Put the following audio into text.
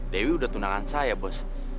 dewi udah tunangan saya bos